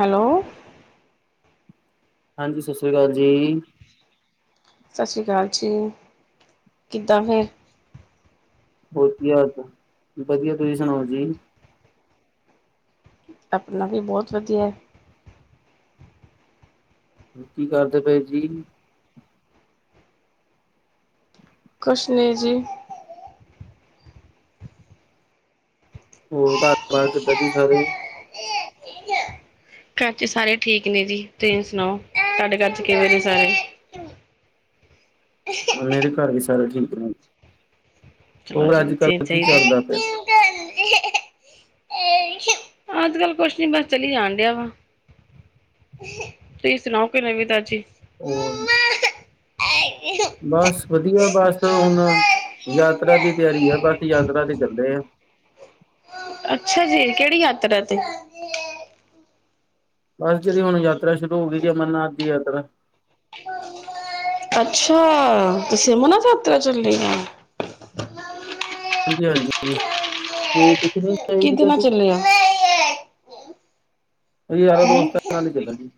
Hello. ਹਾਂਜੀ। ਸਤਿ ਸ਼੍ਰੀ ਅਕਾਲ ਜੀ। ਸਤਿ ਸ਼੍ਰੀ ਅਕਾਲ ਜੀ। ਕਿੱਦਾਂ ਫੇਰ? ਹੋਰ ਕਿ ਹਾਲ-ਚਾਲ, ਵਧੀਆ ਤੁਸੀਂ ਸੁਣਾਓ ਜੀ? ਆਪਣਾ ਵੀ ਬਹੁਤ ਵਧੀਐ। ਕੀ ਕਰਦੇ ਪਏ ਸੀ? ਕੁਛ ਨਈਂ ਜੀ। ਹੋਰ ਘਰ -ਬਾਰ ਕਿੱਦਾਂ ਜੀ, ਸਾਰੇ? ਘਰ ਚ ਸਾਰੇ ਠੀਕ ਨੇ ਜੀ। ਤੁਸੀਂ ਸੁਨਾਓ ਤਾਡੇ ਘਰ 'ਚ ਕਿਵੇਂ ਨੇ ਸਾਰੇ? ਮੇਰੇ ਘਰ ਵੀ, ਸਾਰੇ ਠੀਕ ਨੇ, ਚਲੋ ਹੋਰ ਜੀ ਅੱਜ- ਵਧੀਆ ਕੱਲ ਕੀ ਚਾਹੀਦਾ ਚੱਲਦਾ ਫੇਰ? [inaudible] ਅੱਜ ਕੱਲ ਕੁਛ ਨੀ, ਬਸ ਚਲੀ ਜਾਣ ਦਿਆ ਵਾ। ਤੁਸੀਂ ਸੁਣਾਓ ਕੋਈ ਨਵੀਂ ਤਾਜੀ। ਉਹ ਬਸ ਵਧੀਆ, ਬਸ ਹੁਣ ਯਾਤਰਾ ਦੀ ਤਿਆਰੀ ਹੈ ਬਸ ਅੱਛਾ ਯਾਤਰਾ ਤੇ ਚੱਲੇ ਆ। ਅੱਛਾ ਜੀ, ਕਿਹੜੀ ਯਾਤਰਾ ਤੇ। ਬਸ ਜਿਹੜੀ ਹੁਣ ਯਾਤਰਾ ਸ਼ੁਰੂ ਹੋ ਗਈ ਜੀ ਅਮਰਨਾਥ ਦੀ ਯਾਤਰਾ। ਅੱਛਾ, ਤੁਸੀਂ ਅਮਰਨਾਥ ਯਾਤਰਾ ਤੇ ਚੱਲੇ ਹੋ। ਹਾਂਜੀ- ਹਾਂਜੀ। ਕਿਦੇ ਨਾਲ ਚੱਲੇ ਆ ਅਸੀ ਯਾਰ ਹੂੰ ਦੋਸਤਾਂ ਨਾਲ ਹੀ ਚਲਾ ਜੀ।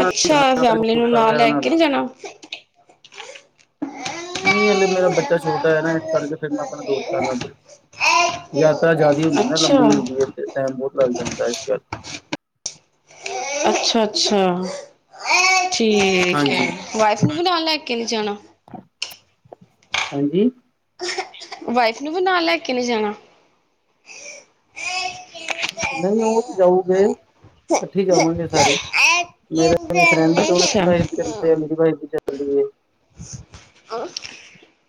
ਅੱਛਾ ਫੈਮਲੀ ਨੂੰ ਨਾਲ ਲੈ ਕੇ ਨੀ [unintelligible] ਜਾਣਾ ਨਹੀਂ ਹਲੇ ਮੇਰਾ ਬੱਚਾ ਛੋਟਾ ਹੈ ਨਾ ਇਸ ਕਰਕੇ ਫਿਰ ਮੈਂ ਆਪਣੇ ਦੋਸਤਾਂ ਨਾਲ ਚੱਲਾ। ਯਾਤਰਾ ਜ਼ਿਆਦਾ ਹੁੰਦੀ ਨਾ ਅੱਛਾ ਲੰਬੀ ਹੁੰਦੀ ਹੈ ਤੇ ਟਾਈਮ ਬਹੁਤ ਲੱਗ ਜਾਂਦਾ ਇਸ ਕਰਕੇ। ਅੱਛਾ, ਅੱਛਾ ਠੀਕ ਹੈ। ਠੀਕ ਹਾਂਜੀ ਹੈ ਵਾਈਫ ਨੂੰ ਨਾਲ ਲੈ ਕੇ ਨੀ ਜਾਣਾ। ਹਾਂਜੀ। ਵਾਈਫ ਨੂੰ ਵੀ ਨਾਲ ਲੈ ਕੇ ਨਹੀਂ ਜਾਣਾ। ਨਹੀਂ ਉਹ ਤੇ ਜਾਊਗੇ। ਇਕੱਠੀ ਜਾਵਾਂਗੇ ਸਾਰੇ, ਮੇਰੇ ਫਰੈਂਡ ਤੇ ਉਹਨਾ ਦੀ ਅੱਛਾ। ਵਾਈਫ ਤੇ ਮੇਰੀ ਵਾਈਫ ਵੀ ਚੱਲਦੀ ਹੈ।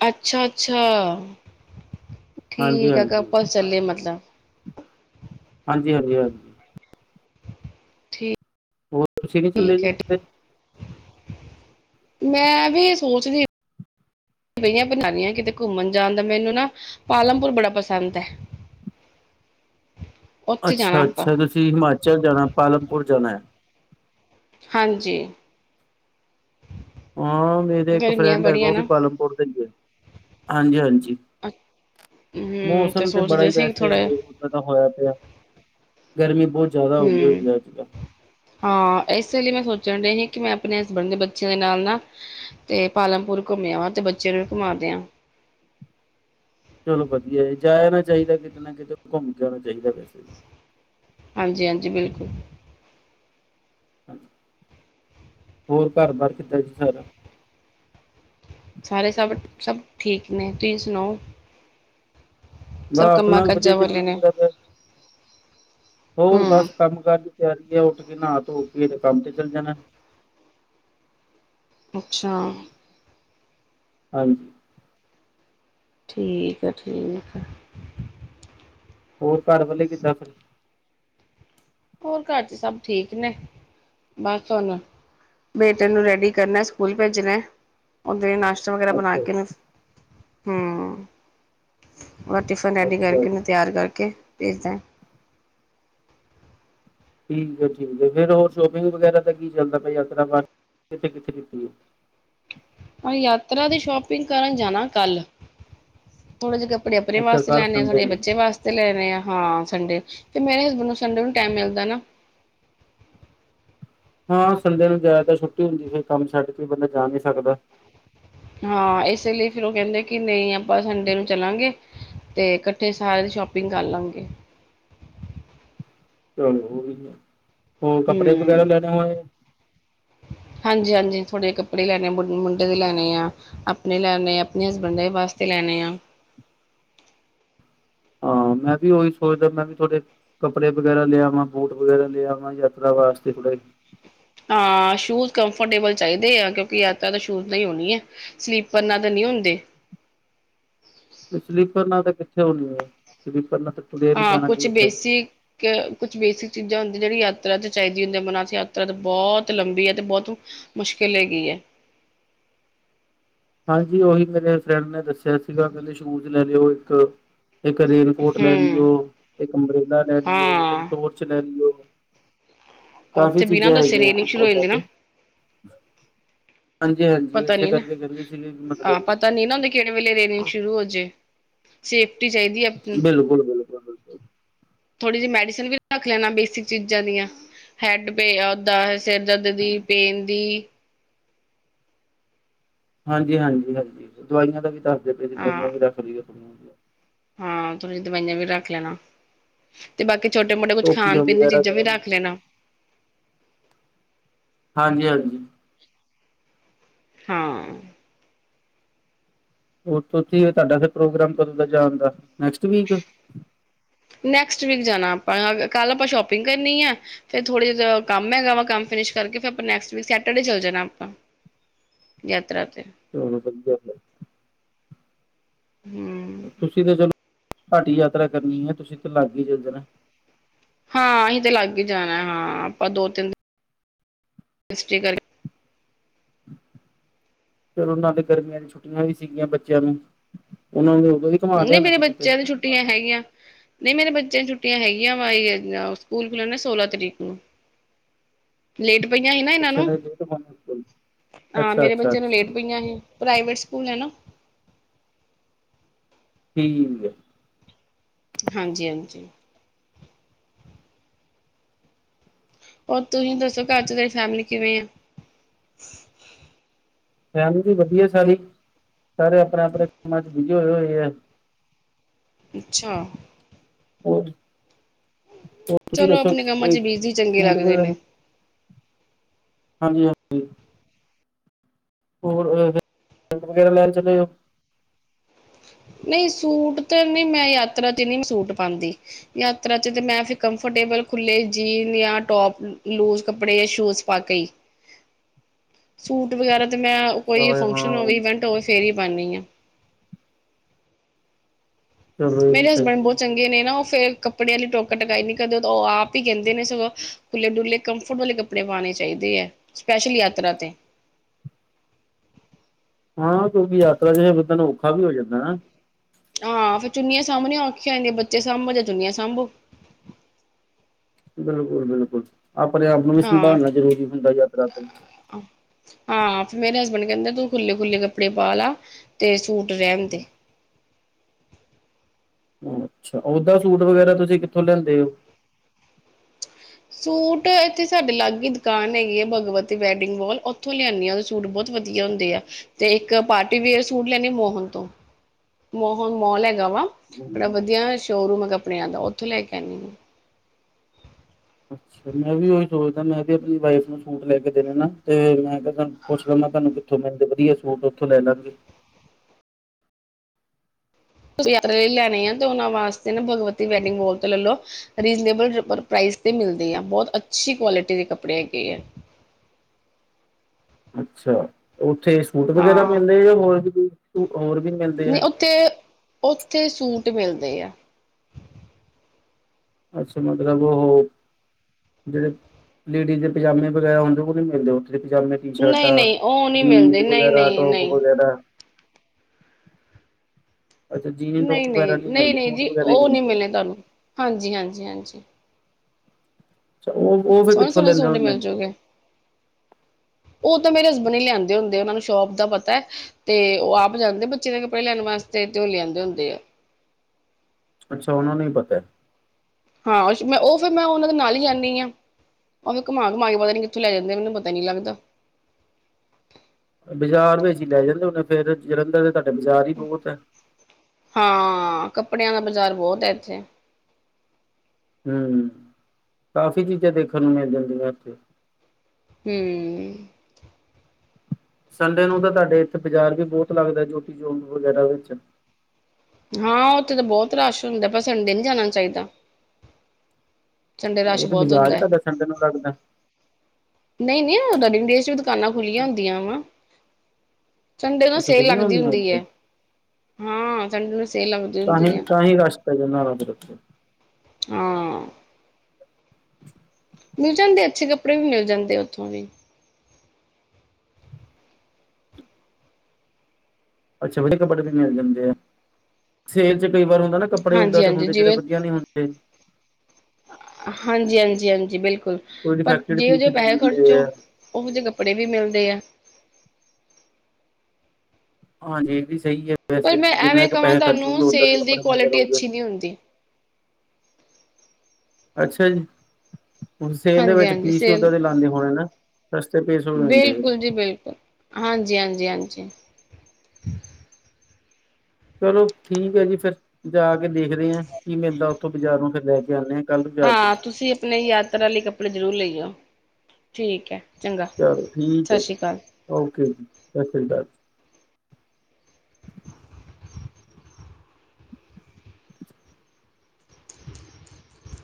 ਅੱਛਾ, ਅੱਛਾ। ਹਾਂਜੀ ਠੀਕ ਆ, ਹਾਂਜੀ ਕਪਲਸ ਚੱਲੇ ਮਤਲਬ। ਹਾਂਜੀ, ਹਾਂਜੀ, ਹਾਂਜੀ। ਹੋਰ। ਤੁਸੀਂ ਨੀ ਚੱਲੇ ਠੀਕ ਜੀ ਹੈ ਕਿਤੇ ਠੀਕ ਮੈਂ ਵੀ ਸੋਚਦੀ ਪਈਆਂ ਬਣਾਉਦੀ ਆ ਕਿਤੇ ਘੁੰਮਣ ਜਾਣ ਦਾ ਮੈਨੂੰ ਨਾ ਪਾਲਮਪੁਰ ਬੜਾ ਪਸੰਦ ਹੈ। ਉੱਥੇ ਜਾਣਾ ਅੱਛਾ, ਆਪਾਂ ਅੱਛਾ ਤੁਸੀਂ ਹਿਮਾਚਲ ਜਾਣਾ ਪਾਲਮਪੁਰ ਜਾਣਾ ਹੈ। ਹਾਂਜੀ। ਹਾਂ ਮੇਰੇ ਇੱਕ ਗਰਮੀਆਂ ਫਰੈਂਡ ਹੈਗਾ ਬੜੀਆਂ ਉਹ ਨਾ ਵੀ ਪਾਲਮਪੁਰ ਤੇ ਹੀ ਹੈ। ਹਾਂਜੀ- ਹਾਂਜੀ ਹੂੰ ਮੌਸਮ ਤੇ ਬੜਾ ਸੋਚਦੇ ਹੀ ਸੀ ਵੈਸੇ ਥੋੜਾ ਤਾਂ ਹੋਇਆ ਪਿਆ, ਗਰਮੀ ਬਹੁਤ ਜ਼ਿਆਦਾ ਆਉਦੀ ਹੂੰ ਹੋਈ ਹੈ ਅੱਜ ਕੱਲ੍ਹ। ਹਾਂ ਇਸੇ ਲਈ ਮੈਂ ਸੋਚਣ ਦੇਈ ਸੀ ਕਿ ਮੈਂ ਆਪਣੇ ਹਸਬੈਂਡ ਦੇ ਬੱਚਿਆਂ ਦੇ ਨਾਲ ਨਾ ਤੇ ਪਾਲਮਪੁਰ ਘੁੰਮਿਆ ਵਾ ਤੇ ਬੱਚੇ ਨੂੰ ਵੀ ਘੁਮਾ ਦਿਆਂ। ਚਲੋ ਵਧੀਆ ਜਾ ਆਉਣਾ ਚਾਹੀਦਾ ਕਿਤੇ ਨਾ ਕਿਤੇ ਘੁੰਮ ਕੇ ਆਉਣਾ ਚਾਹੀਦਾ ਵੈਸੇ ਵੀ। ਹਾਂਜੀ- ਹਾਂਜੀ, ਬਿਲਕੁਲ। ਹੋਰ ਘਰ ਬਾਹਰ ਕਿੱਦਾਂ ਜੀ ਸਾਰਾ। ਸਾਰੇ ਸਭ ਠੀਕ ਨੇ, ਤੁਸੀਂ ਸੁਣਾਓ? ਸਭ ਬਸ ਕੰਮਾਂ ਆਪਣਾ ਵੀ ਵਧੀਆ ਕਾਜਾਂ ਚੱਲੀ ਵਾਲੇ ਨੇ ਜਾਂਦਾ ਪਿਆ ਜੇ। ਹੋਰ ਹੂੰ ਬਸ ਕੰਮ ਕਾਰ ਤਿਆਰੀ ਆ ਉੱਠ ਕੇ ਨਹਾ ਧੋ ਕੇ ਤੇ ਕੰਮ ਤੇ ਚੱਲ ਜਾਣਾ। ਅੱਛਾ। ਹਾਂਜੀ। ਠੀਕ ਆ ਠੀਕ ਆ। ਹੋਰ ਘਰ ਵਾਲੇ ਕਿੱਦਾਂ ਫਿਰ? ਹੋਰ ਘਰ ਚ ਸਭ ਠੀਕ ਨੇ। ਬਸ ਤੁੁਣ ਬੇਟੇ ਨੂੰ ਰੈਡੀ ਕਰਨਾ ਸਕੂਲ ਭੇਜਣਾ ਓਦੇ ਨਾਸ਼ਤਾਂ ਵਗੈਰਾ ਬਣਾ ਅੱਛਾ ਕੇ ਹੂੰ। ਉਹ ਟਿਫਨ ਰੈਡੀ ਅੱਛਾ ਕਰਕੇ ਜੀ ਉਹਨੂੰ ਤਿਆਰ ਕਰਕੇ ਭੇਜਤਾ। ਠੀਕ ਹੈ ਠੀਕ ਫਿਰ ਹੋਰ ਸ਼ੋਪਿੰਗ ਵਗੈਰਾ ਦਾ ਕੀ ਚੱਲਦਾ, ਯਾਤਰਾ ਕਿੱਥੇ ਕਿੱਥੇ ਕੀਤੀ ਹੈ। ਉਹਨੇ ਯਾਤਰਾ ਦੀ ਸ਼ੋਪਿੰਗ ਕਰਨ ਜਾਣਾ ਕੱਲ ਥੋੜੇ ਜੇ ਕਪੜੇ ਆਪਣੇ ਅੱਛਾ ਵਾਸਤੇ ਕੱਲ ਲੈਣੇ ਆਂ ਸੰਡੇ ਥੋੜੇ ਨੂੰ ਬੱਚੇ ਵਾਸਤੇ। ਤੇ, ਲੈਣੇ ਆ, ਹਾਂ ਸੰਡੇ ਤੇ ਮੇਰੇ ਹਸਬੈਂਡ ਨੂੰ ਸੰਡੇ ਨੂੰ ਟਾਈਮ ਮਿਲਦੈ ਨਾ। ਹਾਂ ਸੰਡੇ ਨੂੰ ਜ਼ਿਆਦਾਤਰ ਛੁੱਟੀ ਹੁੰਦੀ ਹੈ, ਫਿਰ ਕੰਮ ਛੱਡ ਕੇ ਬੰਦਾ ਜਾ ਨਹੀ ਸਕਦਾ। ਹਾਂ ਇਸੇ ਲਈ ਫਿਰ ਉਹ ਕਹਿੰਦੇ ਕਿ, ਨਹੀਂ ਆਪਾਂ ਸੰਡੇ ਨੂੰ ਚੱਲਾਂਗੇ। ਤੇ ਇਕੱਠੇ ਸਾਰੇ, ਸ਼ੋਪਿੰਗ ਕਰ ਲਵਾਂਗੇ। ਚਲੋ ਹੋਰ ਵਧੀਆ, ਕੱਪੜੇ ਵਗੈਰਾ ਹੂੰ। ਲੈ ਲਵਾਂਗੇ। ਹਾਂਜੀ-ਹਾਂਜੀ ਥੋੜੇ ਜਿਹੇ ਕੱਪੜੇ ਲੈਣੇ ਆ, ਮੁੰਡੇ ਦੇ ਲੈਣੇ ਆ। ਆਪਣੇ ਲੈਣੇ ਆ, ਆਪਣੇ ਹਸਬੈਂਡ ਦੇ ਵਾਸਤੇ, ਲੈਣੇ ਆ। ਹਾਂ, ਮੈਂ ਵੀ ਉਹੀ ਸੋਚਦਾ, ਮੈਂ ਵੀ ਥੋੜੇ ਕੱਪੜੇ ਵਗੈਰਾ ਲਿਆਵਾਂ, ਬੂਟ ਵਗੈਰਾ ਲਿਆਵਾਂ, ਯਾਤਰਾ ਵਾਸਤੇ ਥੋੜ੍ਹਾ। ਹਾਂ ਸ਼ੂਜ ਕੰਫਰਟੇਬਲ ਚਾਹੀਦੇ ਆ, ਕਿਉਂਕਿ ਯਾਤਰਾ ਸ਼ੂਜ ਨਾਲ਼ ਹੀ ਹੋਣੀ ਹੈ। ਸਲੀਪਰ ਨਾਲ ਤਾਂ, ਨਹੀ ਹੁੰਦੇ। ਸਲੀਪਰ ਨਾਲ ਤਾਂ ਕਿੱਥੇ ਹੋਣੀ ਹੈ, ਸਲੀਪਰ ਨਾਲ, ਤੁਰਿਆ ਨੀ ਹਾਂ, ਜਾਣਾ ਜੀ ਕੁਛ ਉੱਥੇ ਬੇਸਿਕ, ਕਿ ਕੁਛ ਬੇਸਿਕ ਚੀਜ਼ਾਂ ਹੁੰਦੀਆਂ ਜਿਹੜੀ ਯਾਤਰਾ ਚ ਚਾਹੀਦੀ ਹੁੰਦੀ ਹੈ, ਅਮਰਨਾਥ ਯਾਤਰਾ ਤਾਂ ਬਹੁਤ ਲੰਬੀ ਹੈ, ਤੇ ਬਹੁਤ ਔਖੀ ਹੈ। ਮੁਸ਼ਕਿਲ ਹੈਗੀ ਹੈ, ਹਾਂਜੀ, ਓਹੀ ਮੇਰੇ ਫਰੈਂਡ ਨੇ ਦੱਸਿਆ ਸੀ ਗਾ ਕਹਿੰਦੇ ਸ਼ੂਜ ਲੈ ਲਿਓ ਇੱਕ। ਇੱਕ ਰੇਨ ਕੋਟ ਲੈ ਲਿਓ, ਹੂੰ ਇੱਕ ਅੰਬਰੇਲਾ ਲੈ ਲਿਓ, ਇੱਕ ਹਾਂ ਟੋਰਚ ਲੈ ਲਿਓ। ਕਾਫ਼ੀ ਉੱਥੇ ਬਿਨਾਂ ਚੀਜ਼ਾਂ ਹੈ ਦੱਸੇ ਗਿਆ। ਰੇਨਿੰਗ ਸ਼ੁਰੂ ਹੋ ਜਾਂਦੀ ਨਾ ਹਾਂਜੀ-ਹਾਂਜੀ, ਉਹ ਪਤਾ ਇਸੇ ਨੀ ਨਾ ਕਰਕੇ ਕਹਿੰਦੇ ਸੀ ਕਿ? ਹਾਂ ਮਤਲਬ, ਪਤਾ ਨੀ ਨਾ ਹੁੰਦਾ ਕਿਹੜੇ ਵੇਲੇ ਰੇਨਿੰਗ ਸ਼ੁਰੂ ਹੋ ਜੇ, ਸੇਫਟੀ ਚਾਹੀਦੀ ਹੈ ਅਪਣੀ। ਬਿਲਕੁਲ ਬਿਲਕੁਲ ਬਿਲਕੁਲ ਥੋੜੀ ਜਿਹੀ ਮੈਡੀਸਨ ਵੀ ਰੱਖ ਲੈਣਾ ਬੇਸਿਕ ਚੀਜ਼ਾਂ ਦੀਆਂ, ਹੈਡ ਪੇ ਓਦਾਂ। ਸਿਰ ਦਰਦ ਦੀ, ਪੇਨ ਦੀ। ਹਾਂਜੀ-ਹਾਂਜੀ ਹਾਂਜੀ, ਦਵਾਈਆਂ ਦਾ ਵੀ ਦੱਸਦੇ ਪਏ, ਦਵਾਈਆਂ ਹਾਂ ਵੀ ਰੱਖ ਲਈਓ। ਹਾਂ ਥੋੜੀ ਦਵਾਈਆਂ ਵੀ ਰੱਖ ਲੈਣਾ। ਤੇ ਬਾਕੀ ਛੋਟੇ-ਮੋਟੇ ਕੁੱਛ ਟੋਪੀਆਂ ਖਾਣ-ਪੀਣ ਦੀ ਵਗੈਰਾ ਚੀਜ਼ਾਂ ਵੀ ਗਰਮ ਰੱਖ ਲੈਣਾ। ਹਾਂਜੀ-ਹਾਂਜੀ, ਹਾਂ, ਔਰ ਸੱਭ ਠੀਕ ਹੈ, ਤੁਹਾਡਾ ਤਾ ਪ੍ਰੋਗਰਾਮ ਕਦੋਂ ਦਾ ਜਾਣਦਾ ਨੈਕਸਟ ਵੀਕ, ਨੈਕਸਟ ਵੀਕ ਜਾਣਾ ਆਪਾਂ, ਕੱਲ ਆਪਾਂ ਸ਼ੋਪਿੰਗ ਕਰਨੀ ਹੈ। ਫੇਰ ਥੋੜੇ ਜਿਹੇ ਕੰਮ ਹੈ ਗਾ ਵਾ, ਕੰਮ ਫਿਨਿਸ਼ ਕਰਕੇ ਫਿਰ ਆਪਾਂ ਨੈਕਸਟ ਸੈਟਰਡੇ ਚੱਲ ਜਾਣਾ ਆਪਾਂ- ਯਾਤਰਾ ਤੇ, ਹੁੰ, ਹੁੰ, ਤੁਸੀਂ ਤਾ ਚਲੋ, ਤੁਹਾਡੀ ਯਾਤਰਾ ਕਰਨੀ ਹੈ, ਤੁਸੀਂ ਤਾ ਲਾਗੇ ਹੀ ਦੇਣਾ। ਹਾਂ, ਅਸੀਂ ਤਾਂ ਲਾਗੇ ਹੀ ਜਾਣਾ, ਹਾਂ ਆਪਾਂ ਦੋ ਤਿੰਨ,, ਸਟੇ ਕਰਕੇ। ਚਲੋ ਨਾਲੇ, ਗਰਮੀਆਂ ਦੀ ਛੁੱਟੀਆਂ ਵੀ ਸੀ ਗੀਆਂ, ਬੱਚਿਆਂ ਦੀ ਉਹਨਾਂ ਨੂੰ ਉਦੋਂ ਹੀ। ਨਹੀਂ ਮੇਰੇ ਬੱਚਿਆਂ ਨੁੰ ਛੁੱਟੀਆਂ ਹੈਗੀਆਂ। ਨਹੀਂ ਮੇਰੇ ਬੱਚਿਆਂ ਦੀਆਂ ਛੁੱਟਿਆ ਹੈਗੀਆਂ ਵਾ, ਸਕੂਲ ਖੁੱਲਣਗੇ, ਸੋਲਾਂ ਤਰੀਕ ਨੂੰ। [inaudible] ਲੇਟ ਪਈਆਂ ਹੀ ਨਾ ਇਹਨਾਂ ਬੱਚਿਆਂ ਨੂੰ, ਨੇ ਹਾਂ, ਅੱਛਾ ਮੇਰੇ ਅੱਛਾ ਬੱਚਿਆਂ ਨੂੰ ਅੱਛਾ ਲੇਟ ਪਈਆਂ ਸੀ। ਪ੍ਰਾਈਵੇਟ ਸਕੂਲ ਹੈ ਨਾ, ਠੀਕ ਏ। ਹਾਂਜੀ-ਹਾਂਜੀ। ਹੋਰ ਤੁਹੀਂ ਦੱਸੋ, ਘਰ'ਚ ਥੁਹਾਡੀ ਫੈਮਿਲੀ ਕਿਵੇਂ ਆ? ਫੈਮਲੀ ਵੀ ਵਧੀਆ ਸਾਰੀ। ਸਾਰੇ ਆਪਣੇ-ਆਪਣੇ ਕੰਮਾਂ'ਚ ਬਿਜੀ ਹੋਏ ਹੋਏ ਆ। ਅੱਛਾ! ਹੋਰ, ਹੋਰ, ਤੁਸੀਂ ਚਲੋ ਦੱਸੋ? ਆਪਣੇ ਕੰਮਾਂ ਇਹ ਚ ਬਿਜ਼ੀ ਚੰਗੇ ਸੂਟ ਲੱਗਦੇ ਵਗੈਰਾ ਨੇ ਹਾਂਜੀ-ਹਾਂਜੀ। ਹੋਰ, ਸ਼ਰਟ ਵਗੈਰਾ ਲੈਣ ਚਲੇ ਓ? ਨਹੀਂ ਸੂਟ ਤੇ, ਨਹੀਂ, ਮੈਂ ਯਾਤਰਾ ਤੇ ਮੈਂ ਨਹੀਂ ਸੂਟ ਪਾਉਂਦੀ। ਯਾਤਰਾ'ਚ ਤੇ ਮੈਂ ਫਿਰ ਕੰਫਰਟੇਬਲ ਖੁੱਲੇ, ਜੀਨ ਯਾ ਟੌਪ, ਲੂਜ ਕੱਪੜੇ ਯਾ ਸ਼ੂਜ ਪਾਕੇ ਈ। [inaudible] ਸੂਟ ਵਗੈਰਾ ਤਾਂ ਮੈਂ, ਕੋਈ ਅੱਛਾ ਫੰਕਸ਼ਨ ਹਾਂ ਹੋਵੇ, ਇਵੈਂਟ ਹੋਵੇ ਫੇਰ ਹੀ ਪਾਂਨੀ ਆ। ਚਲੋ ਇਹ ਵੀ ਮੇਰੇ ਸਹੀ ਹਸਬੈਂਡ ਹੈ। ਬਹੁਤ ਚੰਗ ਗੇ, ਨੇ ਨਾ ਉਹ ਫੇਰ ਕੱਪੜੇ ਵਾਲੀ ਟੋਕਾ-ਟਕਾਈ ਨੀ ਕਰਦੇ, ਉਹ ਆਪ ਹੀ ਕਹਿੰਦੇ ਨੇ ਸਗੋਂ ਖੁੱਲੇ-ਡੁੱਲੇ ਕੰਫਰਟ ਵਾਲੇ ਕੱਪੜੇ ਕੱਪੜੇ ਪਾਣੇ ਚਾਹੀਦੇ ਆ, ਸਪੈਸ਼ਲੀ ਯਾਤਰਾ ਤੇ। ਹਾਂ, ਕਿਉਂਕਿ ਯਾਤਰਾ'ਚ ਬੰਦੇ ਨੂੰ ਔਖਾ ਵੀ ਹੋ ਜਾਂਦਾ। ਹਾਂ, ਫੇਰ ਚੁੰਨੀਆਂ ਸਾਂਬਣੀਆ ਔਖੀਆਂ ਹੋ ਜਾਂਦੀਆਂ, ਬੱਚੇ ਸਾਂਭੋ, ਜਾ ਚੁੰਨੀਆਂ ਸਾਂਭੋ। ਬਿਲਕੁਲ-ਬਿਲਕੁਲ, ਆਪਣੇ-ਆਪ ਨੂੰ ਵੀ ਹਾਂ। ਸੰਭਾਲਣਾ ਜ਼ਰੂਰੀ ਹੁੰਦਾ, ਯਾਤਰਾ ਤੇ। ਹਾਂ, ਫਿਰ ਮੇਰੇ ਹਸਬੈਂਡ ਕਹਿੰਦੇ ਤੂੰ ਖੁੱਲੇ-ਖੁੱਲੇ ਕੱਪੜੇ ਪਾਲਾ ਤੇ ਸੂਟ ਰਹਿਣ ਦੇ। ਅੱਛਾ। ਓਹਦਾਂ ਸੂਟ ਵਗੈਰਾ ਤੁਸੀਂ ਕਿੱਥੋਂ ਲੈਂਦੇ ਓ? ਸੂਟ, ਇੱਥੇ ਸਾਡੇ ਲਾਗੇ ਹੀ ਦੁਕਾਨ ਹੈਗੀ ਆ ਭਗਵਤੀ ਵੈਡਿੰਗ ਵੌਲ, ਉੱਥੋਂ ਲਿਆਂਨੀ ਆ ਸੂਟ ਬਹੁਤ ਵਧੀਆ ਹੁੰਦੇ ਆ, ਤੇ ਇੱਕ ਪਾਰਟੀ-ਵਿਅਰ ਸੂਟ ਲੈਂਨੀ ਮੋਹਨ ਤੋਂ। ਮੋਹਨ ਮੌਲ ਹੈਗਾ ਵਾ, ਬੜਾ ਹਮ, ਵਧੀਆ ਸ਼ੋਅਰੂਮ ਆ ਕਪੜਿਆਂ ਦਾ, ਉੱਥੋਂ ਲੈਕੇ ਆਂਨੀ ਆ। ਅੱਛਾ। ਮੈਂ ਵੀ ਉਹੀ ਸੋਚਦਾ, ਮੈਂ ਵੀ ਆਪਣੀ ਵਾਈਫ ਨੂੰ ਸੂਟ ਲੈਕੇ ਦੇਣੇ ਨਾ, ਤੇ ਮੈਂ ਕਿਹਾ ਤੁੂੰ ਪੁੱਛ ਲੈਨਾ ਤੁਹਾਨੂੰ ਕਿੱਥੋਂ ਮਿਲਦੇ ਵਧੀਆ ਸੂਟ, ਉੱਥੋਂ ਲੈਲਾਂਗੇ। ਯਾਤਰੇ ਲਈ ਲੈਣੇ ਆ, ਤੇ ਉਹਨਾਂ ਵਾਸਤੇ ਨਾ ਭਗਵਤੀ ਵੈਡਿੰਗ ਮੋਲ ਤੇ ਲੈਲੋ। ਰੀਜ਼ਨੇਬਲ ਪ੍ਰਾਈਸ ਤੇ ਮਿਲਦੇ ਆ, ਬਹੁਤ ਅੱਛੀ ਕੁਆਲਿਟੀ ਦੇ ਕੱਪੜੇ ਹੈਗੇ ਆ। ਅੱਛਾ। ਉੱਥੇ ਸੂਟ ਵਗੈਰਾ ਹਾਂ ਮਿਲਦੇ, ਯਾ ਹੋਰ ਵੀ ਹੋਰ ਵੀ ਮਿਲ ਨਹੀਂ, ਉੱਥੇ, ਉੱਥੇ ਸੂਟ ਮਿਲਦੇ ਆ। ਅੱਛਾ, ਮਤਲਬ ਉਹ ਜਿਹੜੇ ਲੇਡੀਜ਼ ਦੇ ਪਜਾਮੇ ਵਗੈਰਾ ਹੁੰਦੇ, ਉਹਨੀ ਮਿਲਦੇ ਉੱਥੇ ਪਜਾਮੇ ਨਹੀਂ ਟੀ-ਸ਼ਰਟਾ, ਨਹੀਂ ਉਹ ਨਹੀਂ ਮਿਲਦੇ ਜੀਨਸ ਨਹੀਂ ਵਗੈਰਾ, ਨਹੀਂ ਟੌਪ ਨਹੀਂ ਵਗੈਰਾ। ਅੱਛਾ ਜੀਨ ਟੋਪ ਵਗੈਰਾ ਨਹੀਂ-ਨਹੀਂ, ਨਹੀਂ ਮਿਲਦੇ ਨਹੀਂ-ਨਹੀਂ ਸੂਟ ਜੀ, ਵਗੈਰਾ ਹੀ ਉਹ ਨਹੀਂ ਮਿਲਦੇ ਮਿਲਣੇ ਤੁਹਾਨੂੰ ਹਾਂਜੀ, ਹਾਂਜੀ-ਹਾਂਜੀ। ਅੱਛਾ। ਉਹ ਫਿਰ, ਸੋਹਣੇ ਕਿੱਥੋਂ ਸੋਹਣੇ ਲੈਂਦੇ ਸੂਟ ਹੁੰਨੇ? ਮਿਲ ਜੂਗੇ ਉਹ ਤਾ ਮੇਰੇ ਹਸਬੈਂਡ ਹੀ ਲਿਆਂਦੇ ਹੁੰਦੇ ਆ, ਉਹਨਾਂ ਨੂੰ ਸ਼ੋਪ ਦਾ ਪਤਾ ਹੈ ਤੇ, ਉਹ ਆਪ ਜਾਂਦੇ ਬੱਚਿਆਂ ਦੇ ਕੱਪੜੇ ਲਿਆਣ ਵਾਸਤੇ, ਤੇ ਉਹ ਲਿਆਂਦੇ ਹੁੰਦੇ ਆ। ਅੱਛਾ, ਉਹਨਾ ਨੁੰ ਹੀ‌ ਪਤਾ ਏ? ਹਾਂ, ਮੈਂ ਉਹ ਫਿਰ ਮੈਂ, ਉਹਨਾਂ ਦੇ ਨਾਲ ਹੀ ਜਾਨੀ ਆ। ਉਹਵੀ ਘੁਮਾ-ਘੁਮਾਕੇ ਪਤਾ ਨੀ ਕਿੱਥੇ ਲੈ ਜਾਂਦੇ, ਮੈਨੂੰ ਪਤਾ ਨੀ ਲਗਦਾ। ਬਜ਼ਾਰ ਵਿਚ ਈ ਲੈ ਜਾਂਦੇ ਹੋਨੇ ਫਿਰ, ਜਲੰਧਰ ਤੇ ਤੁਹਾਡੇ ਬਜ਼ਾਰ ਹੀ ਬਹੁਤ ਐ। ਹਾਂ! ਕੱਪੜਿਆਂ ਦਾ ਬਜ਼ਾਰ ਬਹੁਤ ਹੈ ਇੱਥੇ। ਹੂੰ, ਕਾਫੀ ਚੀਜ਼ਾਂ ਦੇਖਣ ਨੂੰ ਮਿਲ ਜਾਂਦੀਆਂ ਉੱਥੇ। ਹੂੰ। ਸੰਡੇ ਨੂੰ ਤਾਂ ਤੁਹਾਡੇ ਇੱਥੇ ਬਾਜ਼ਾਰ ਵੀ ਬਹੁਤ ਲੱਗਦਾ, ਜੋਤੀ ਚੌਂਕ ਵਗੈਰਾ ਵਿੱਚ। ਹਾਂ, ਉੱਥੇ ਤਾਂ ਬਹੁਤ ਰਸ਼ ਹੁੰਦਾ, ਪਰ ਸੰਡੇ ਨਹੀਂ ਜਾਣਾ ਚਾਹੀਦਾ। ਸੰਡੇ ਰਸ਼ ਉਹ ਤੇ ਬਹੁਤ ਬਾਜ਼ਾਰ ਹੀ ਹੁੰਦਾ। ਤੁਹਾਡਾ ਸੰਡੇ ਨੂੰ ਲੱਗਦਾ ਨਹੀਂ-ਨਹੀਂ ਉਹ ਰੇਣੀਡੇਸ ਚ ਵੀ ਦੁਕਾਨਾਂ ਖੁੱਲ੍ਹੀਆਂ ਹੁੰਦੀਆਂ ਵਾ ਸੰਡੇ ਨੂੰ ਅੱਛਾ ਸੇਲ ਖੁੱਲੀਆਂ ਲੱਗਦੀ ਹੁੰਦੀਆਂ ਹੁੰਦੀ ਏ, ਉੱਥੇ ਹਾਂ ਸੰਡੇ ਨੂੰ- ਸੇਲ ਲੱਗਦੀ ਤਾਹੀਂ ਹੁੰਦੀ ਹੈ ਤਾਂ ਹੀ ਰਸ਼ ਪੈ ਜਾਂਦਾ ਹੋਣਾ ਉਧਰ ਹਾਂ। ਮਿਲ ਜਾਂਦੇ ਅੱਛੇ ਕੱਪੜੇ ਵੀ ਮਿਲ ਜਾਂਦੇ ਉੱਥੋਂ ਵੀ ਅੱਛਾ ਵਧੀਆ ਕੱਪੜੇ ਵੀ ਮਿਲ ਜਾਂਦੇ ਆ ਸੇਲ ਚ ਕਈ ਵਾਰ ਹੁੰਦਾ ਨਾ ਕੱਪੜੇ ਓਦਾਂ ਹਾਂਜੀ ਦੇ ਹੁੰਦੇ ਜਿਹੜੇ ਵਧੀਆ ਨਹੀਂ ਹੁੰਦੇ। ਹਾਂਜੀ-ਹਾਂਜੀ-ਹਾਂਜੀ ਬਿਲਕੁਲ ਕੋਈ ਪਰ ਡਿਫੈਕਟਡ ਜਿਹੋ ਪੀਸ ਜਿਹੇ ਦੇ ਪੈਸੇ ਖ਼ਰਚੋ ਦਿੰਦੇ ਆ ਉਹੋ ਜਿਹੇ ਕੱਪੜੇ ਵੀ ਮਿਲਦੇ ਆ। ਹਾਂਜੀ ਇਹ ਵੀ ਸਹੀ ਹੈ ਪਰ ਵੈਸੇ ਮੈਂ ਜਿੱਨੇ ਐਵੇਂ ਕ ਪੈਹੇ ਖਰਚੋਗੇ ਓਦਾਂ ਦੇ ਕੱਪੜੇ ਮਿਲਦੇ ਰਹੂਗੇ। ਨੀ ਹੁੰਦੀ। ਅੱਛਾ ਜੀ। ਸੇਲ ਦੇ ਹਾਂਜੀ ਵਿੱਚ ਹਾਂਜੀ ਪੀਸ ਹੀ ਸੇਲ ਓਦਾਂ ਦੇ ਲਾ ਦੇਂਦੇ ਹੈਣੇ ਨਾ, ਸਸਤੇ ਪੇਸ਼ ਹੋ ਜਾਂਦੇ। ਬਿਲਕੁੱਲ। ਹਾਂਜੀ-ਹਾਂਜੀ-ਹਾਂਜੀ। ਚਲੋ ਠੀਕ ਹੈ ਜੀ ਫੇਰ ਜਾ ਕੇ ਦੇਖਦੇ ਆ ਕੀ ਮਿਲਦਾ ਉੱਥੋਂ ਬਾਜ਼ਾਰੋ, ਫਿਰ ਲੈ ਕੇ ਆਣੇ ਹਾਂ। ਕੱਲ ਨੂੰ ਜਾ ਕੇ ਹਾਂ ਤੁਸੀਂ ਅਪਣੇ ਯਾਤਰਾ ਲਈ ਕੱਪੜੇ ਜ਼ਰੂਰ ਲਇਓ ਠੀਕ ਹੈ। ਚੰਗਾ ਚਲੋ ਠੀਕ ਹੈ ਸਤਿ ਜੀ। ਸ਼੍ਰੀ ਅਕਾਲ ਓਕੇ ਜੀ, ਸਤਿ ਸ਼੍ਰੀ ਅਕਾਲ।